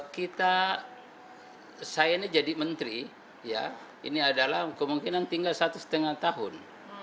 saya ini jadi menteri ya ini adalah kemungkinan tinggal satu setengah tahun